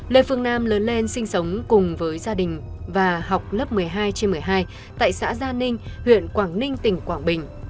lê phương nam lớn lên sinh sống cùng với gia đình và học lớp một mươi hai trên một mươi hai tại xã gia ninh huyện quảng ninh tỉnh quảng bình